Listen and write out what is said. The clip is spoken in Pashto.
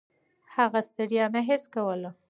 هغه ستړیا نه حس کوله.